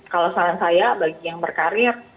kalau saran saya bagi yang berkarir